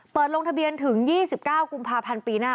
ลงทะเบียนถึง๒๙กุมภาพันธ์ปีหน้า